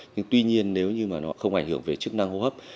nhưng tuy nhiên nếu như mà nó không ảnh hưởng về chức năng hô hấp